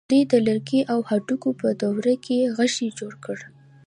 دوی د لرګي او هډوکي په دوره کې غشی جوړ کړ.